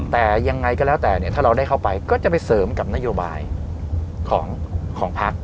แต่ยังไงก็แล้วแต่เนี่ยถ้าเราได้เข้าไปก็จะไปเสริมกับนโยบายของพัก